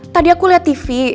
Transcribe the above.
tadi aku liat tv